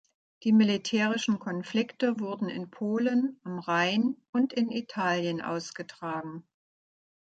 Die militärischen Konflikte wurden in Polen, am Rhein und in Italien ausgetragen.